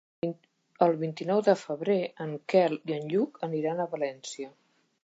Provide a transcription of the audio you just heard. El vint-i-nou de febrer en Quel i en Lluc aniran a València.